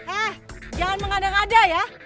eh jangan mengandang andang ya